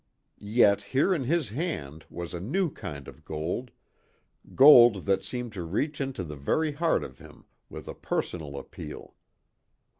Yet here in his hand was a new kind of gold gold that seemed to reach into the very heart of him with a personal appeal.